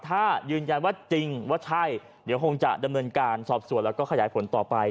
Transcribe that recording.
ถ้ายืนยันว่าจริงว่าใช่เดี๋ยวคงจะดำเนินการสอบส่วนแล้วก็ขยายผลต่อไป